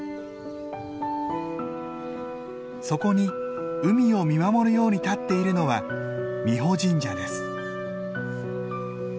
そこに海を見守るように立っているのは美保神社です。